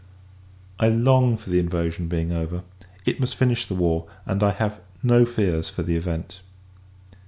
I long for the invasion being over; it must finish the war, and I have no fears for the event.